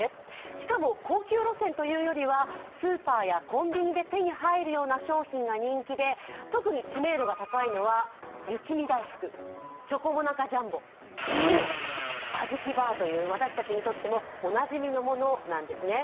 しかも高級路線というよりはスーパーやコンビニで手に入るような商品が人気で特に知名度が高いのは雪見だいふく、チョコもなかジャンボ、ピノ、あずきバーという、私たちにとってもおなじみのものなんですね。